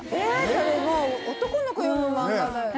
それもう男の子読む漫画だよね？